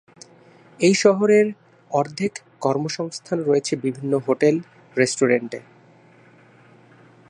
এই শহরের অর্ধেক কর্মসংস্থান রয়েছে বিভিন্ন হোটেল, রেস্টুরেন্টে।